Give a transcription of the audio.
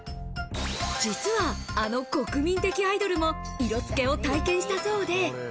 実はあの国民的アイドルも色付を体験したそうで。